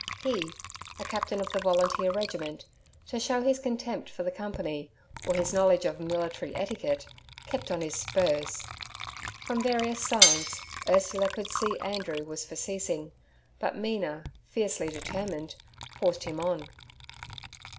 He, a Captain of the Volunteer Regiment, to show his contempt for the company, or his knowledge of military etiquette, kept on his spurs. From various signs, Ursula could see Andrew was for ceasing; but Mina, fiercely determined, forced him on.